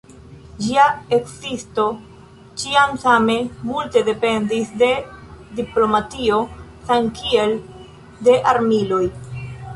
Ĝia ekzisto ĉiam same multe dependis de diplomatio samkiel de armiloj.